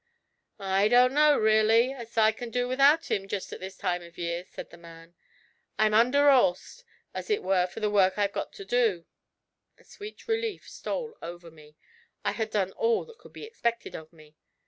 'I don't know, really, as I can do without him just at this time of year,' said the man. 'I'm under 'orsed as it is for the work I've got to do.' A sweet relief stole over me: I had done all that could be expected of me.